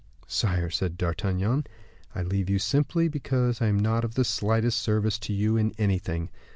"Sire," said D'Artagnan, "I leave you simply because I am not of the slightest service to you in anything.